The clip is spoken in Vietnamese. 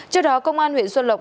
trước đó công an huyện xuân lộc